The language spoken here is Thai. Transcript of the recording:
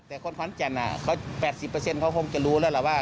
แต่คนคว้นแจน๘๐เขาคงจะรู้แล้วแหละว่า